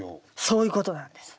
そういうことなんです。